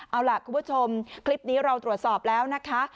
เอาล่ะคุณผู้ชมคลิปนี้เราตรวจสอบแล้วนะคะ